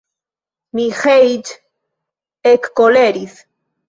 Miĥeiĉ ekkoleris.